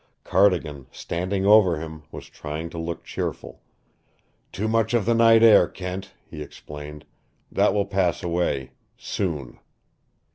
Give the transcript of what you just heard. Cardigan, standing over him, was trying to look cheerful. "Too much of the night air, Kent," he explained. "That will pass away soon."